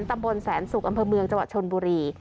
ตำบลแสนสุกอำเภอเมืองจังหวัดชนบุรี